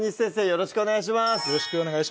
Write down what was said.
よろしくお願いします